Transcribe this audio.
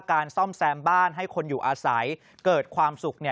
การซ่อมแซมบ้านให้คนอยู่อาศัยเกิดความสุข